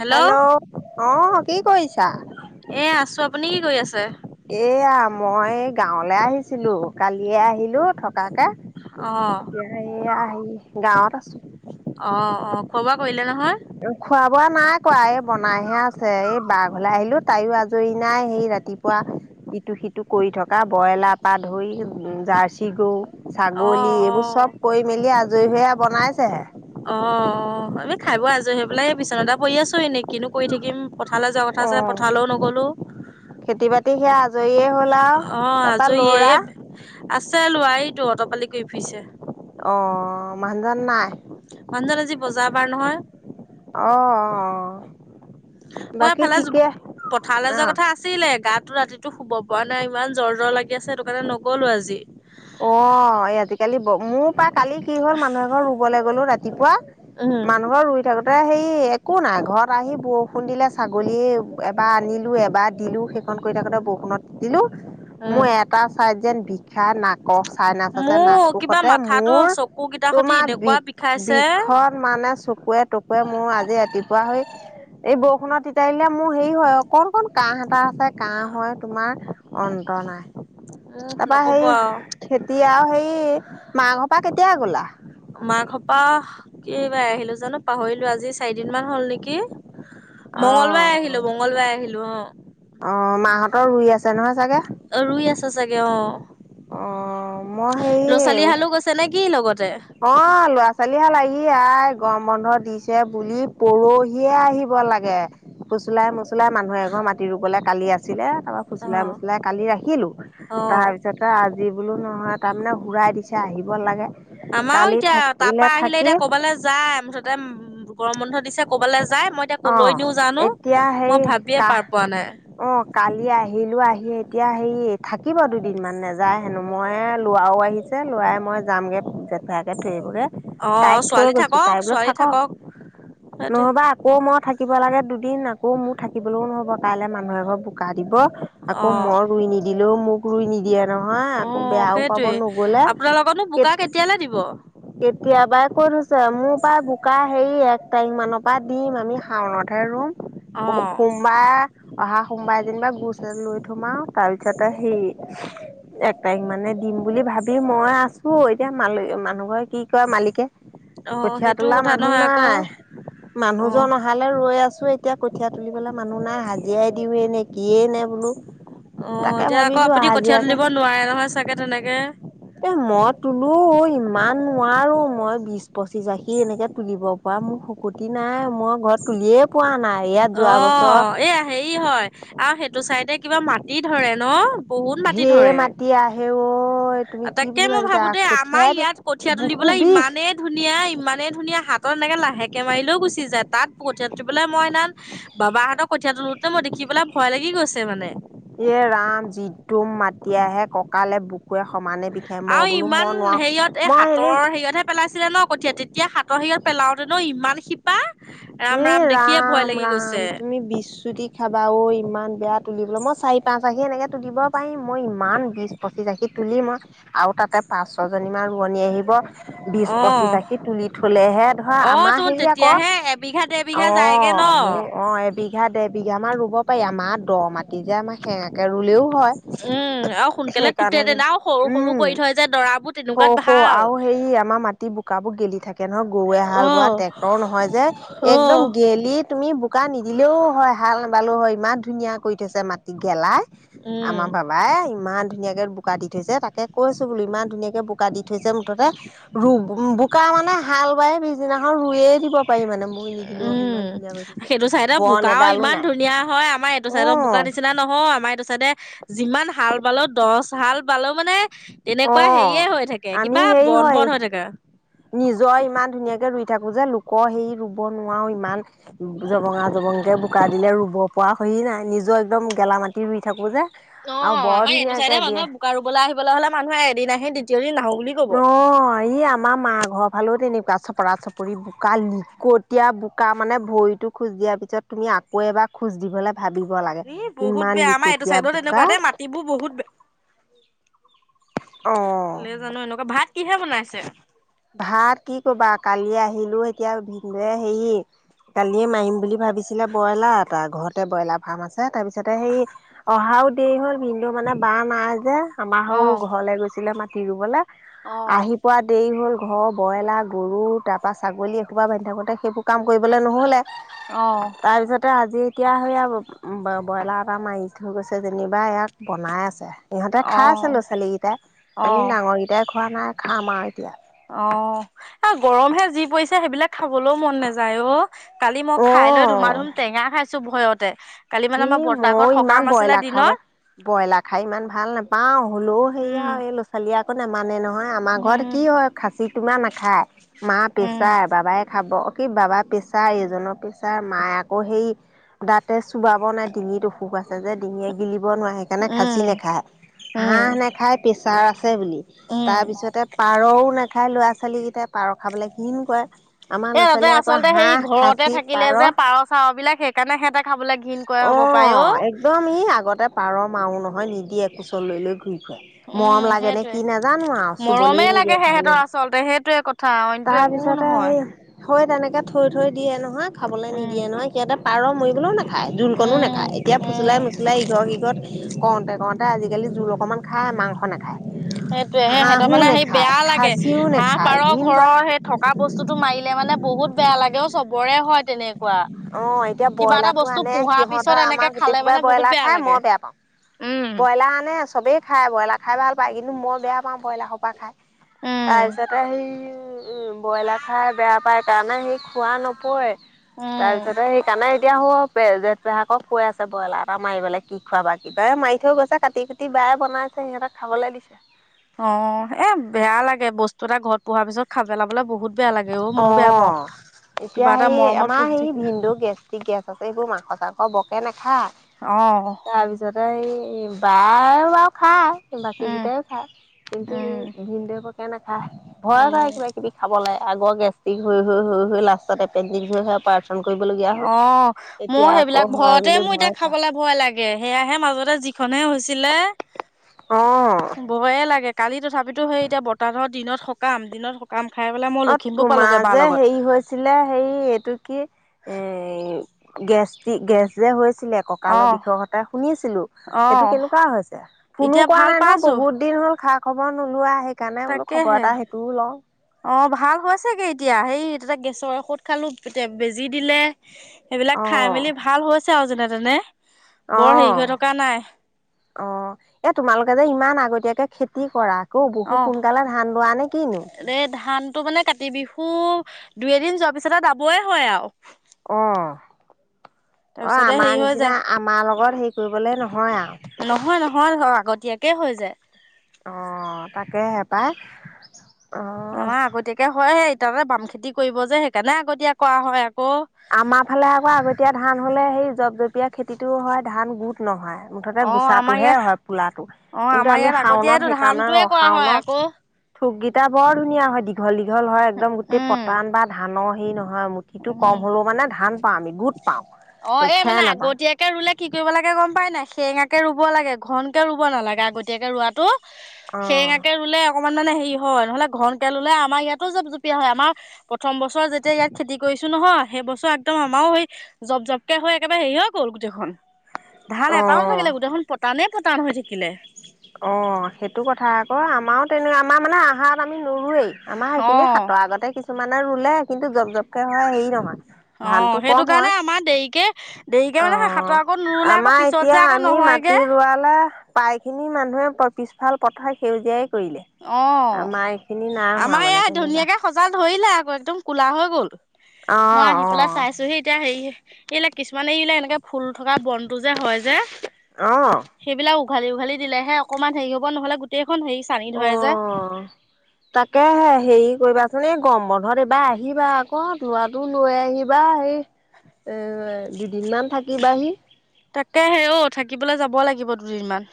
Hello hello, অঁ, কি কৰিছা? এ আছো, আপুনি কি কৰি আছে? এয়া মই এই গাঁৱলে আহিছিলো, কালিয়ে আহিলো থকাকে। অ এতিয়া এই আহি, গাঁৱত আছো। অঁ অঁ খোৱা বোৱা কৰিলে নহয়? খোৱা বোৱা নাই কৱা এই বনাইহে আছে এই বা ঘল আহিলো, তাইও আজৰি নাই সেই ৰাত ৰাতিপুৱা ইটো সিটো কৰি থকা বইলাৰ পৰা ধৰি উম জাৰ্চি গৰু। অ ছাগলী অ এইবোৰ চ'ব কৰি মেলি আজৰি হৈ‌ আও বনাইছেহে। অঁ অঁ আমি খাই বৈ আজৰি হৈ পেলাই এই বিছনাতে পৰি আছো এনেই কিনো কৰি থাকিম। পথাৰলে যোৱা কথা অ আছে, পথাৰলও নগ'লোঁ। খেতি বাতি সেয়া আজৰিয়ে হ'ল আও অ তাৰপা আজৰিয়ে লৰা। এই আছে ল'ৰা সেইতো অঁটপালি কৰি ফুৰিছে। অঁ মানুহজন নাই? মানুহজন আজি বজাৰ বাৰ নহয়। অঁ অঁ অঁ মই এফালে যোগ পথাৰলে যোৱা অ', কথা আছ আছিলে, গাটো ৰাতিটো শুব পৰা নাই ইমান জ্বৰ জ্বৰ লাগি আছে, সেইটো কাৰণে নগ'লো আজি। অঁ, এই আজিকালি ব, মোৰো পাই কালি কি হ'ল মানুহ এঘৰ ৰুবলে গ'লো ৰাতিপুৱা উম মানুহ ঘৰত ৰুই থাকোতে সেই একো নাই ঘৰত আহি বৰষুণ দিলে ছাগলী এবাৰ আনিলোঁ এবাৰ দিলোঁ সে খন কৰি থাকোতে বৰষুণত তিতিলো মোৰ উম এটা ছাইদ যেন বিষাই নাক ক চাই নাচাইছে মোৰ নাকটো কিবা সতে মাথাটো মোৰ চকু কেইটা সতি তোমাৰ বি এনেকুৱা বিষাইছে বিষত মানে চকুৱে টকুৱে মোৰ আজি ৰাতিপুৱা হৈ এই বৰষুণৰ তিতাই দিলে মোৰ হেৰি হয় অকণমান কাঁহ এটা আছে কাঁহ হয় তোমাৰ অন্ত নাই। মোক তাৰপা নকব হেই আও খেতি আৰু সেই মা ঘৰ পা কেতিয়া গ'লা? মা ঘৰপা, কি বাই আহিলো জানো পাহৰিলো আজি চাৰিদিন মান হ'ল নেকি? মঙলবাৰে আহিলো মঙগলবাৰে আহিলো অঁ অঁ মাহঁতৰ ৰুই আছে নহয় চাগে? অ' ৰুই আছা চাগে অঁ অ', মই ল'ৰা ছোৱালী হালো গৈছে নেকি লগতে? অঁ ল'ৰা ছোৱালীশাল আহি আই গম বন্ধ দিছে বুলি পৰহিয়ে আহি ব লাগে ফুচুলাই মচুলাই মানুহ এঘৰ মাটি ৰুবলে কালি আছিলে। তাৰপা অ ফুচুলাই মুছুলাই কালি ৰাখিলো। অ তাৰ পিছত তই আজি বোলো নহয়, তাৰমানে সুৰাই দিছে আহিব লাগে। আমাৰো কালি এতিয়া থাকিলে তাৰপা আহিলে থাকি এতিয়া কবালৈ যায় মোথতে, তা গৰম বন্ধ দিছে কবালে যায় মই, এতিয়া অ', কোলৈ নিও জানো এতিয়া হেৰি মই ভাবিয়ে কাহ পাৰ পোৱা নাই। অ কালি আহিলো আহি এতিয়া হেৰি থাকিব দুদিনমান নেযায় হেনো মই লৰাও আহিছে, ছে লৱাই মই যামগে জেঠায়েকে থৈ আহিব গে। অ তাইক থৈ ছোৱালী গৈছো থাকক তাই বোলো ছোৱালী থাকক সেইটোৱে নহবা। আকৌ মই থাকিব লাগে দুদিন আকৌ মোৰ থাকিবলৈও নহব কাইলৈ মানুহ এ ঘৰ বোকা দিব। আকৌ অ মই ৰুই নিদিলোও মোক ৰুই নিদিয়ে নহয় আকৌ অ' বেয়াও পাব সেইটোৱে নগলে। [unintelligible] বোকা কেতিয়ালে দিব। কেতিয়াবা কৈ থৈছে মোৰ পৰা বোকা হেৰি এক তাৰিখ মানৰ পৰা দিম আমি শাওনতহে ৰুম। [unintelligible] অ' সোমবাই অহা সোমবাৰে যেনিবা গোছ এ লৈ থোমাও তাৰ পিছতে সেই, এক তাৰিখ মানে দিম বুলি ভাবি মই আছো এতিয়া মানহ মানুহ ঘৰে, কি কয় মালিকে অ' কঠিয় সেইটো তোলা কথা মানুহ নহয় আকৌ নাই মানুহজন অ' ন অহালে। ৰৈ আছো এতিয়া কঠীয় তুলিবেললে মানুহ নাই হাজিৰাই দিওঁ নে কিয়ে নে বোলো। অ তাকে এতিয়া আকৌ ভাবিছো আপুনি কঠিয়া হাজিৰাকে তুলিব নোৱাৰে নহয় চাগে তেনেকে। এ মই তোলো ইমান, নোৱাৰোঁ মই বিশ পঁচিছ আশী এনেকে তুলিব পৰা মোৰ শক্তি নাই মই ঘৰত তুলিয়ে, পোৱা নাই ইয়াত যোৱা বছৰ, অ' এয়া হেৰি হয় আৰু সেইটো চাইডে কিবা মাটি ধৰে ন, বহুত মতি ঢেৰ ধৰে মাটি আহে ঐ তুমি কি তাকে বুলি মই ভাবিছা ভাবো দে আমাৰ কঠিয়াই ইয়াত। কঠিয় বুকু তুলিবলৈ বিষ ইমানেই, ধুনীয়া ইমানেই ধুনীয়া হাতত এনেকে লাহেকে মাৰিলেও গুচি যায় তাত কথিয়া তুলিবলৈ মই সেইদিনা, বাবাহঁতক কঠীয়ালোতে মই দেখি পেলাই ভয় লাগি গৈছে মানে। এ ৰাম যিতু মাতিয়েহে ককালে বুকুৱে সমানে, বিষাই মই আৰু বোলো ইমান মই নোৱাৰো হেৰিয়ত এই মই এনে হাতৰ হেৰিয়তহে। পেলাইছিলে ন কঠীয়াত তেতিয়া হাতৰ সিগত পেলাওঁতে ন ইমান শি এ ৰাম ৰাম গৈছে তুমি বিশূটি, চাবা ইমান বেয়া তুলিবলৈ মই চাৰি পাঁচ আশী এনেকে তুলিব পাৰিম মই ইমান বিছ, পঁচিছাখি তুলি মই আৰু তাতে পাঁচ ছজনী মান ৰুৱনি আহিব। বিশ অহ পচিশ আশি তুলি থলেহে ধৰা আমাৰ হেৰি আকৌ, এবিঘাতে, অ মোৰ অ এই, বিঘা দেৰ বিঘা মান ৰুব পাৰি আমাৰ দ মাটি যে আমাৰ সেঙাকে ৰুলেও, হয় উম আৰু সোনকালে সেইকাৰণে তেতেনা আৰু সৰু সৰু কৰি থয় যে দৰাবোৰ তেনেকুৱাত অ ভা, আৰু হেৰি আমাৰ মাটি বোকাবোৰ গেলি থাকে নহয় গৰুৱে হাল অ বোৱা ট্ৰেক্টৰ নহয় যে। অ একদম গেলি তুমি বোকা নিদিলেও, হয় হাল নেবালেও হয় ইমান ধুনীয়া কৰি থৈছে মাটিত গেলাই উম আমাৰ বাবা, বাই ইমান ধুনীয়াকে বোকা দি থৈছে তাকে কৈছো বোলো ইমান ধুনীয়াকে বোকা দি থৈছে মুঠতে, ৰুম বোকা মানে হাল বাই পিছদিনাখন ৰুয়ে দিব পাৰি মানে। মই নিদিলেও ইমান ধুনীয়া কৰি উম থৈছে সেইটো চাইডৰ বন বোকাও এডালো ইমান নাই ধুনীয়া হয় আমাৰ এইটো অ চাইডৰ বোকা নিচিনা, নহয় আমাৰ এইটো চাইদে যিমান হাল বালেও দহ হাল বালেও মানে, অ তেনেকুৱা হেৰিয়ে হৈ থাকে আমি কিবা হেৰি বন হয় বন হৈ থাকে। নিজৰ ইমান ধুনীয়াকে ৰুই থাকো যে লোকৰ সেই ৰুব নোৱাৰো ইমান। জবঙা জবঙকে বোকা দিলে ৰুব পৰা সেই নাই নিজৰ একদম গেলা মাটি ৰুই থাকোঁ যে আৰু বৰ ধুনীয়াকে দিয়ে। ৰুৱা ৰুবলৈ আহিবলৈ হলে মানুহে এদিন আহি দ্বিতীয় দিন নাহো বুলি কব। অ এই আমা আমাৰ মা ঘৰ ফালেও তেনেকুৱা চপৰা চপৰি বোকা লিকটীয়া বোকা মানে ভৰিটো খোজ দিয়া তুমি আকৌ এবাৰ খোজ দিবলৈ ভাবিব লাগে। এ বহুত ইমান বেয়া আমাৰ এইটো লিকটীয়া চাইডত বোকা এনেকুৱা দেই মাটিবোৰ বহুত বেয়া। অ' নেজানোঁ এনেকুৱা ভাত কিহেৰে বনাইছে? ভাত কি কবা কালি আহিলোঁ এতিয়া ভিনদেউৱে হেৰি কালিয়ে মাৰিম বুলি ভাবিছিলে ব্ৰইলাৰ এটা। ঘৰতে ব্ৰইলাৰ ফ্ৰাম আছে তাৰপিছতে সেই অহাও দেৰি হ'ল মানে বাঁহ নাই যে আমাৰ অ সৌ ঘৰলে গৈছিলে মাাটি ৰুবলৈ আহি পোৱা দেৰি হ'ল ঘৰৰ ব্ৰইলাৰ গৰু তাপা ছাগলী এসোপা বান্ধি থাকোঁতে সেইবোৰ কাম কৰিবলৈ নহ'লে অ তাৰপিছতে আজি এতিয়া সেইয়া ব্ৰইলাৰ এটা মাৰি থৈ গৈছে যেনিবা ইয়াক বনাই আছে ইহঁতে অ খাই আছে ল'ৰা ছোৱালীকেইটাই অ আমি অ ডাঙৰকেইটাই খোৱা নাই খাম আৰু এতিয়া অ এ গৰমহে যি পৰিছে সেইবিলাক খাবলৈও মন নাযায় অ কালি মই খাই লৈ ধুমা অ ধুম টেঙা খাইছোঁ ভয়তে কালি মানে আমাৰ সেই বৰতা ময়ো ঘৰত ইমান সকাম আছিলে ব্ৰইলাৰ খাব দিনত। ব্ৰইলাৰ খাই ইমান ভাল নাপাওঁ হলেও সেয়া উম, আৰু এই ল'ৰা ছোৱালী আকৌ নামানে নহয় আমাৰ ঘৰত কি উম, হয় খাচী তোমাৰ নাখায় মা উম, পেচাৰ বাবাই খাব কি বাবা পেছাৰ ইজনৰ পেছাৰ মায়ে আকৌ সেই দাতে চোবাব নাই ডিঙিত অসুখ আছে যে ডিঙিয়ে গিলিব নোৱাৰে সেইকাৰণে খাচি উম, নাখায়। উম, হাঁহ নেখাই প্ৰেছাৰ আছে বুলি। উম, তাৰপিছতে পাৰও নাখায় ল'ৰা ছোৱালীকেইটাই পাৰ খাবলৈ ঘৃণ কৰে। আমাৰ এ ল'ৰা তাতে ছোৱালীয়ে আকৌ আচলতে সেই হাঁহ ঘৰতে খাচী থাকিলে যে পাৰ চাৰ বিলাক সেইকাৰণে সিহঁতে খাবলৈ ঘৃণ অ একদম ই আগতে পাৰ মাৰোঁ নহয় নিদিয়ে কোচত লৈ লৈ ঘূৰি ফুৰে। উম, মৰম লাগে নে সেইটোৱে। কি নাজানোঁ আৰু মৰমেই চুবলৈ লাগে নিদিয়ে খাবলৈ সিহঁতৰ আচলতে সেইটোৱে কথা অইনটো একো নহয়। হয় তেনেকে থৈ থৈ দিয়ে নহয় খাবলৈ উম, নিদিয়ে নহয় সিহঁতে পাৰ মৰিগলেও নাখাই জোল কনো নেখায় উম, এতিয়া উম। ফুচলাই মচলাই ইঘৰ সিঘৰত কওঁতে কওঁতে আজিকালি জোল অকণমান খায় মাংস নাখায়। সেইটোৱেই সে সিহঁতৰ হাঁহো মানে সে নেখায় বেয়া লাগে খাচীও হাঁহ নেখায় পাৰ ঘিণ ঘৰত কৰে। অ সেই থকা বস্তুটো মাৰিলে মানে বহুত বেয়া লাগে অ চবৰে হয় তেনেকুৱা। অ এতিয়া কিবা এটা ব্ৰইলাৰটো বস্তু আনে পোহাৰ পিছত সিহঁতৰ এনেকে আমাৰ খালে গোটেই কোবাই মানে বহুত ব্ৰইলাৰ বেয়া খাই লাগে মই বেয়া পাওঁ। উম ব্ৰইলাৰ আনে চবেই খাই ব্ৰইলাৰ খাই ভাল পায়। কিন্তু মই বেয়া পাওঁ ব্ৰইলাৰ সোপা খাই উম তাৰ পিছতে সেই উম ব্ৰইলাৰ খাই বেয়া পায় কাৰণে সি খোৱা নপৰে তাৰপিছতে সেইকাৰণে এতিয়া আকৌ যে পেহাকক কৈ আছে ব্ৰইলাৰ এটা মাৰিবলে কি খোৱাবা কি কয় মাৰি থৈ গৈছে কাটি বাএ বনাইছে সিহঁতক খাবলৈ দিছে। অ এ বেয়া লাগে বস্তু এটা ঘৰত পোহাৰ পিছত খাই পেলাবলে বহুত বেয়া লাগে অ মইও বেয়া পাওঁ কিবা এতিয়া এটা সেই মৰমত আমাৰ পুহি হেই থাকিলে ভিনদেউ ঠিকে আছ আছে এইবোৰ মাংস চাংস বৰকে নাখায় অ তাৰপিছতে এই বায় বাৰু খায় উম বাকীকেইটায়ো খায় কিন্তু উম ভিন্দুৱেকে নাখায়, ভয় পায় উম কিবাকিবি খাবলে। আগৰ গেষ্টিক হৈ-হৈ-হৈ লাষ্টত এপেণ্ডিছ হৈ পাৰ্থ কাম কৰিবলগীয়া হ'ল। অ মোৰ এতিয়া আকৌ সেইবিলাক হয় ভয়তে বুলি মোৰ এতিয়া ভয় খায়। খাবলে ভয় লাগে। সেয়াহে মাজতে যিখনে হৈছিলে অ। ভয়ে লাগে। কালি তথাপিতো সেই এতিয়া বতাহতৰ দিনত সকাম দিনত কাম খাই পেলাই মই লখিমপুৰ পালোগে বাৰ লগত। আছিলে। হেই এইটো কি? এই গেষ্টিক গেছ যে হৈছিলে অ কঁকালৰ বিষৰ কথা শুনিছিলোঁ অ সেইটো কেনেকুৱা হৈছে? ফোনো এতিয়া কৰা ভাল নাই নহ পাইছো বহুত দিন হ'ল খা-খবৰ নোলোৱা। সেইকাৰণে বোলো খবৰ তাকেহে এটা সেইটোও লওঁ। অ ভাল হৈচেগে এতিয়া সেই তাতে গেছৰ ঔষধ খালোঁ, এতিয়া বেজি দিলে, সেইবিলাক খাই অ'। মেলি ভাল হৈছে আৰু যেনে তেনে বৰ হেৰি অ', হৈ থকা নাই। অ এ তোমালোকে যে ইমান আগতিয়াকে খেতি কৰা অ বহুত সোনকালে ধান ৰোৱা নে কিনো? এই ধানটো মানে কাতি বিহু দুই এদিন যোৱাৰ পিছতে দাবই হয় আৰু। অ অ তাৰপিছতে হেৰি আমাৰ হৈ নিচিনা যায় আমাৰ লগত হেৰি কৰিবলৈ নহয় আৰু। নহয় নহয় ধৰ আগতীয়াকে হৈ যায়। অ তাকে হে পাই। অ', আমাৰ আগতীয়াকে হয়ে ইটা ততে বাম খেতি কৰিব যে সেইকাৰণে আগতীয়া কৰা হয় আকৌ। আমাৰ ফালে আকৌ আগতীয়া ধান হ'লে সেই জপ জপীয়া খেতিটোও হয় ধান গোট নহয়। মুঠতে অ' আমাৰ গুচাটোহে ইয়াত হয় পোলাটো। অ' কিন্তু আমি শাওনত সেইকাৰণে ৰো শাওনত অ থোককেইটা বৰ ধুনীয়া হয় দীঘল দীঘল হয় একদম গোটেই উম পতান বা ধানৰ হেই নহয় মুঠিতো কম উম হ'লেও মানে ধান পাওঁ আমি গোট পাওঁ, খেৰ নাপাওঁ। সেয়া ৰুলে কি কৰিব লাগে গম পাই নাই, সেৰেঙাকে ৰুব লাগে ঘন কে ৰুব নালাগে আগতীয়াকে ৰোৱাটো। অ', সেৰেঙাকে ৰুলে অকণমান মানে হেৰি হয়। নহ'লে ঘনক ললে আমাৰ ইয়াতো জপ জুপিয়া হয় আমাৰ প্ৰথম বস্তু বছৰ যেতিয়া ইয়াত খেতি কৰিছো নহয় সেই বছৰ একদম আমাৰও সেই জপ জপীয়া হৈ একেবাৰে হেৰি হৈ গ'ল গোটেইখন। ধান এটাও অ', নাথাকিলে গোটেইখন পতানেই পতান হৈ থাকিলে। অ সেইটো কথা আকৌ। আমাৰো তেনেক আমাৰ মানে আহাৰত আমি নুৰোৱেই। আমাৰ সেইখিনি অ' সাতৰ আগতে কিছুমানে ৰুলে কিন্তু জব জপ হয় হেৰি নহয়, অ', ধানতটো সেইটো কম কাৰণে হয় আমাৰ দেৰিকে দেৰিকে অ। মানে হাতৰ আগত নোৰুলে আকৌ আমাৰ পিছত এতিয়া যে আকৌ আমি মাটি নহয়গে ৰোৱালে প্ৰায়খিনি মানুহে পিছফাল পথাৰ সেউজীয়াই কৰিলে। অ এইখিনি নাই হোৱা আমাৰ মানে ইয়া তেনেকুৱা ধুনীয়াকে সজাল ধৰিলে আকৌ একদম কোলা হৈ গ'ল। মই অ', আহি পেলাই অ', চাইছোহি এতিয়া হেৰি এইবিলাক কিছুমানে এইবিলাক এনেকে ফুল থকা বনটো যে হয় যে। অ। সেইবিলাক উঘালি উঘালি দিলে অকমান হে হ'ব নহ'লে গোটেইখন হে অ তাকে হেৰি কৰিবাচোন এই গম বন্ধত এইবাৰ আহিবা আকৌ ল'ৰাটো লৈ আহিব কিবা সেই এ দুদিনমান থাকিবাহি। তাকে হে ঔ থাকিবলৈ যাব লাগিব দুদিনমান।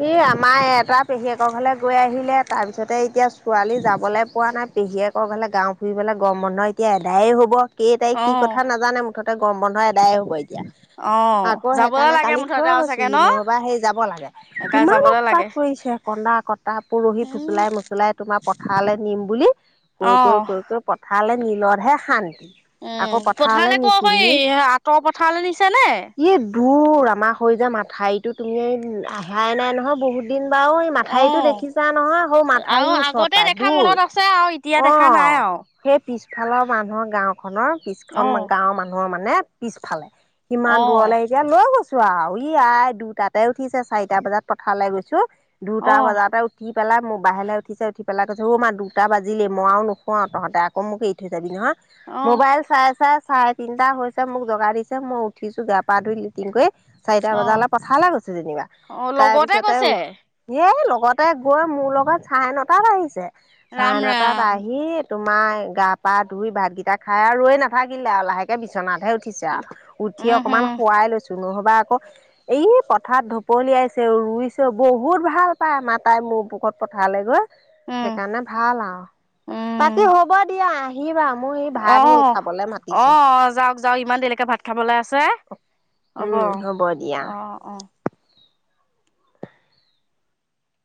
ই আমাৰ এটা পেহীয়েকৰ ঘৰলে গৈ আহিলে তাৰ পিছতে এতিয়া ছোৱালী যাবলৈ পোৱা নাই পেহীয়েক- আকৌ কাইলে গাঁও ফুৰিব গৰম বন্ধ এতিয়া এদায়ে হ'ব। কেই তাৰিখ কি অ', কথা নাজানে মুঠতে গৰম বন্ধ এদায় হব এতিয়া। অ', আকৌ যাবলৈ সেইকাৰণে লাগে কালি মুঠতে থৈ আৰু চাগে গৈছোহি ন? নহ'বা সেই যাব লাগে। কিমান যাবলৈ উৎপাত লাগে কৰিছে কন্দা কটা পৰহি উম, ফুচুলাই মচুলাই তোমাৰ পথাৰলৈ নিম বুলি। কৈ অ'। কৈ কৈ পথালে নিলতহে শান্তি। উম আকৌ পথাৰলে কৈ নিছো কৈ নি আঁতৰ পথাৰলৈ নিছে নে? ই দূৰ আমাৰ হৈ যায় মাথাউৰিটো তুমি আহাই নাই নহয় বহুত- দিন বাৰু অ মাথাউৰি দেখিছা নহয় হৈ আৰু মাথাউৰিও ওচৰত আগতে পায় দেখা দূৰ, মনত আছে আৰু এতিয়া অ। দেখা নাই আৰু সেই পিছফালৰ মানুহৰ গাঁওখনৰ পিছখন অ গাঁওৰ মানুহৰ মানে পিছফালে। সিমান অ দূৰলৈ এতিয়া লৈ গৈছো আৰু ই আই দুটাতে উঠিছে- চাৰিটা বজাত পথাৰলৈ গৈছো দুটা অ বজাতে- উঠি পেলাই মোক বাহিৰলে উঠিছে উঠি পেলাই কৈছে অ মা দুটা বাজিলেই মই আৰু নোহোৱাও তহঁতে আকৌ মোক এৰি থৈ যাবি নহয়। অ মোবাইল চাই চাই চাই- তিনিটা হৈছে মোক জোগাই দিছে মই উঠিছো গা পা ধুই লিটিং কৈ- চাৰিটা অ বজাৰলৈ পথালে গৈছো যেনিবা। অ তাৰ লগতে পিছতে, কৈছে এ লগতে গৈ মোৰ লগত চাই নটাত বাজিছে। চাৰে ৰাম নটাত ৰাম বাজি- তোমাৰ গা পা ধুই ভাতকেইটা খাই আৰু ৰৈ নাথাকিলে আৰু লাহেকে বিচনাত হে উ উঠিছে আৰু উঠি উম অকমান হম শুৱাই লৈছো নহ'বা আকৌ এই পথাৰ ধ পলিয়াইছে ৰুইছেও বহুত ভাল পায় আমাৰ তাই মোৰ লগত পথালে গৈ। উম সেইকাৰণে ভাল আৰু, উম বাকী হ'ব দিয়া আহ আহি বা মোৰ সেই অ ভাত হ'ল খাবলে মাতিছে। অ যাওক যাওক ইমান দেৰিলৈকে ভাত খাবলৈ আছে, হ'ব উম দিয়া অ অ।